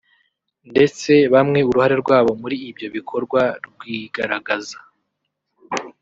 ndetse bamwe uruhare rwabo muri ibyo bikorwa rwigaragaza